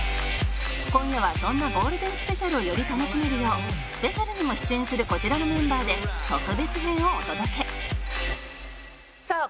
今夜はそんなゴールデンスペシャルをより楽しめるようスペシャルにも出演するこちらのメンバーで特別編をお届けさあ